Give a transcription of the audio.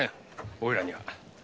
おいらには。